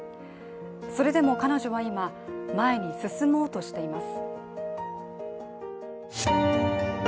それでも彼女は今、前に進もうとしています。